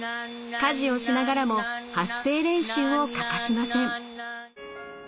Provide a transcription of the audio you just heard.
家事をしながらも発声練習を欠かしません。